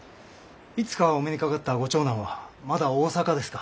いつかお目にかかったご長男はまだ大阪ですか？